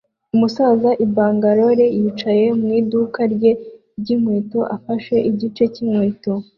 Umusaza i Bangalore yicaye mu iduka rye ry'inkweto afashe igice cy'inkweto